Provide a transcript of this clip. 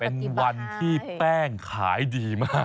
เป็นวันที่แป้งขายดีมาก